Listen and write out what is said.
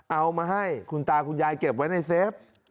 เอามาให้คุณตาคุณยายเก็บไว้ในเซฟ